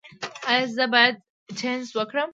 ایا زه باید ټینس وکړم؟